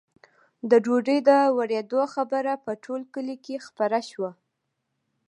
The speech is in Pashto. د ډوډۍ د ورېدو خبره په ټول کلي کې خپره شوه.